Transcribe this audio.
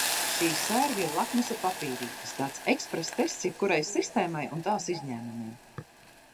Šī sērga ir lakmusa papīrītis, tāds eksprestests jebkurai sistēmai un tās izņēmumiem.